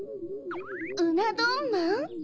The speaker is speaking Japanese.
うなどんまん？